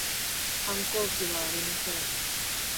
反抗期はありません